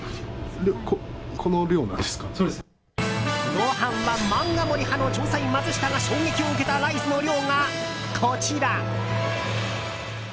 ご飯は漫画盛り派の調査員マツシタが衝撃を受けたライスの量がこちら。